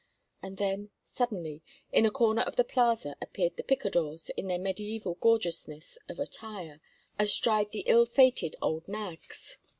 And then, suddenly, in a corner of the plaza appeared the picadores in their mediæval gorgeousness of attire, astride the ill fated old nags.